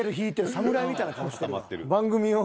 侍みたいな顔してるわ。